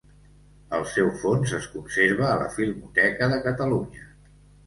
El seu fons es conserva a la Filmoteca de Catalunya.